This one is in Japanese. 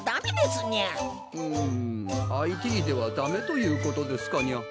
むっＩＴではダメということですかにゃ。